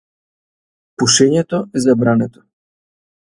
Пушењето е забрането.